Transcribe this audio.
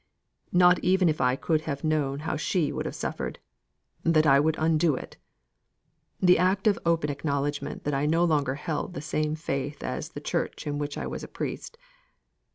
not even if I could have known how she would have suffered, that I would undo it the act of open acknowledgment that I no longer held the same faith as the church in which I was a priest.